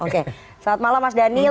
selamat malam mas daniel